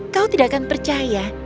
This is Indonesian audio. kau tidak akan percaya